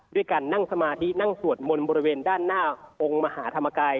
ด้วยการนั่งสมาธินั่งสวดมนต์บริเวณด้านหน้าองค์มหาธรรมกาย